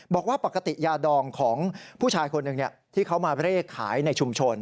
บอกว่าปกติยาดองของผู้ชายคนหนึ่งที่เขามาเร่ขายในชุมชน